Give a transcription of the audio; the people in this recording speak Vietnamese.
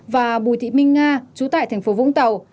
và bùi thị minh nga chú tại thành phố vũng tàu